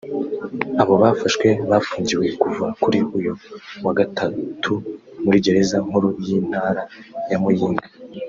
Abo bafashwe bafungiwe kuva kuri uwu wa Gatatu muri Gereza nkuru y’Intara ya Muyinga